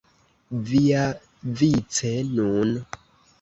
Viavice, nun!